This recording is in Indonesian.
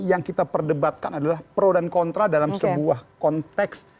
yang kita perdebatkan adalah pro dan kontra dalam sebuah konteks